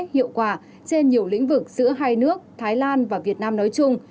hiệu quả trên nhiều lĩnh vực giữa hai nước thái lan và việt nam nói chung